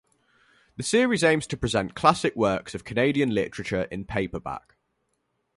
The series aims to present classic works of Canadian literature in paperback.